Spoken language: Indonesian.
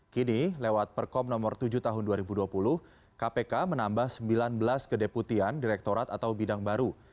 kini lewat perkom nomor tujuh tahun dua ribu dua puluh kpk menambah sembilan belas kedeputian direktorat atau bidang baru